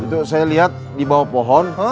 itu saya liat dibawah pohon